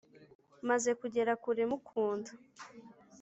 maze kugera kure mukunda